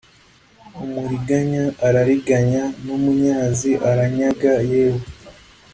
umuriganya arariganya n umunyazi aranyaga Yewe